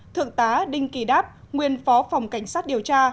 thượng tá đinh kỳ đáp nguyên phó phòng cảnh sát điều tra